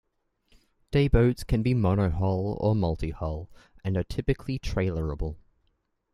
Dayboats can be monohull or multihull, and are typically trailer-able.